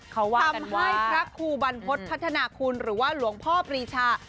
ทำให้พระครูบรรพฤษพัฒนาคุณหรือว่าหลวงพ่อปรีชา